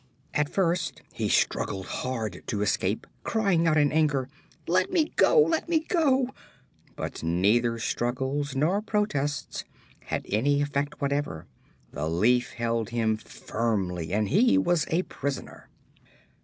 At first he struggled hard to escape, crying out in anger: "Let me go! Let me go!" But neither struggles nor protests had any effect whatever. The leaf held him firmly and he was a prisoner.